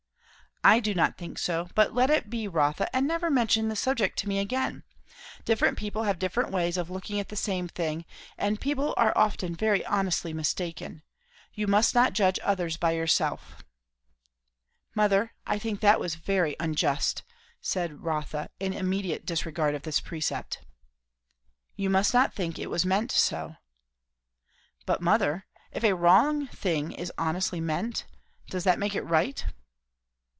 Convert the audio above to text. "I do not think so. But let it be, Rotha, and never mention this subject to me again. Different people have different ways of looking at the same thing; and people are often very honestly mistaken. You must not judge others by yourself." "Mother, I think that was very unjust," said Rotha, in immediate disregard of this precept. "You must not think it was meant so." "But, mother, if a wrong thing is honestly meant, does that make it right?"